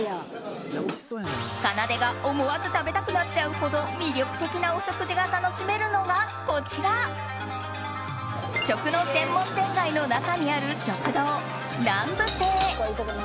かなでが思わず食べたくなっちゃうほど魅力的なお食事が楽しめるのがこちら食の専門店街の中にある食堂南部亭。